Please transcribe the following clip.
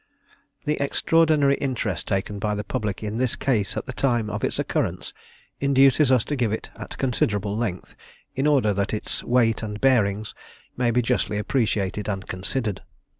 The extraordinary interest taken by the public in this case at the time of its occurrence induces us to give it at considerable length, in order that its weight and bearings may be justly appreciated and considered.